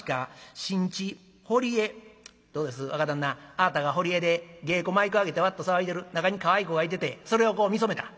あぁたが堀江で芸妓舞妓あげてわっと騒いでる中にかわいい子がいててそれをこう見初めた。ね？